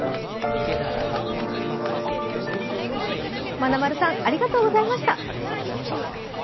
まなまるさんありがとうございました。